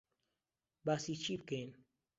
باسی چی بکەین؟